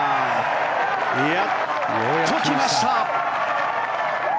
やっときました！